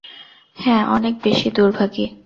হ্যাঁ, অনেক বেশি দুর্ভাগী।